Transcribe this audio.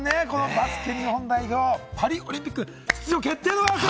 バスケ日本代表・パリオリンピック出場決定でございます。